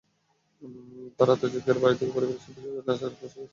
তাঁর আর্তচিৎকারে বাড়ি থেকে পরিবারের সদস্যরা ঘটনাস্থলে এসে চিৎকার শুরু করেন।